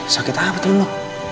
sakit apa temen lo